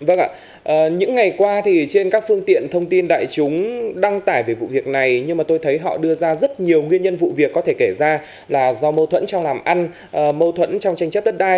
vâng ạ những ngày qua thì trên các phương tiện thông tin đại chúng đăng tải về vụ việc này nhưng mà tôi thấy họ đưa ra rất nhiều nguyên nhân vụ việc có thể kể ra là do mâu thuẫn trong làm ăn mâu thuẫn trong tranh chấp đất đai